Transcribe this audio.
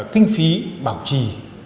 kinh phí bảo trì